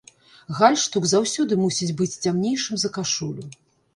Гальштук заўсёды мусіць быць цямнейшым за кашулю.